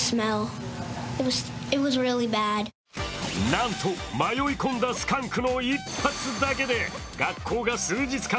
なんと迷い込んだスカンクの一発だけで、学校が数日間